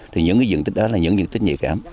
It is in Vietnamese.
thì những diện tích đó là những diện tích nhạy cảm